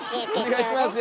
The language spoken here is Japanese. お願いします